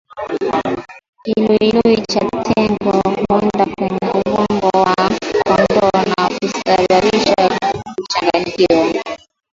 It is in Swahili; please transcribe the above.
Kiluilui cha tegu huenda kwenye ubongo wa kondoo na kusababisha kuchanganyikiwa